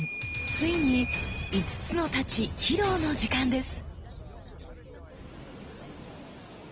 ついに五津之太刀披露の時間です。